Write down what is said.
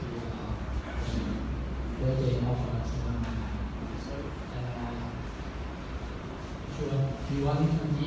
เกินเท่าไหร่เกินเท่าไหร่คุณคิดว่าเกินเท่าไหร่หรือไม่เกินเท่าไหร่